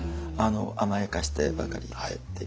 甘やかしてばかりいてっていう。